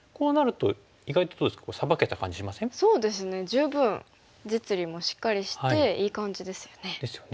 十分実利もしっかりしていい感じですよね。ですよね。